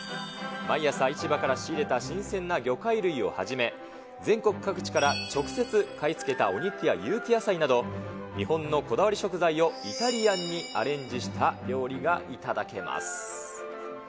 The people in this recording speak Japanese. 毎朝、市場から仕入れた新鮮な魚介類をはじめ、全国各地から直接買いつけたお肉や有機野菜など、日本のこだわり食材をイタリアンにアレンジした料理が頂けます。